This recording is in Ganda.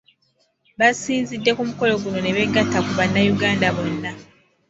Baasinzidde ku mukolo guno ne beegatta ku Bannayuganda bonna .